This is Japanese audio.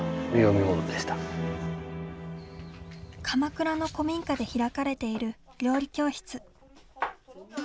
鎌倉の古民家で開かれている料理教室。